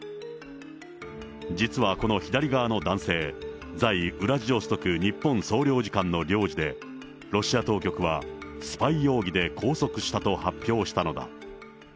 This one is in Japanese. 実はこの左側の男性、在ウラジオストク日本総領事館の領事で、ロシア当局は、スパイ容疑で拘束したと発表したのだ。